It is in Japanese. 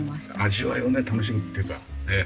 味わいをね楽しむっていうか。